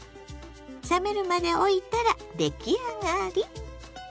冷めるまでおいたら出来上がり。